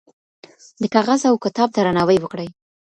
د کاغذ او کتاب درناوی وکړئ.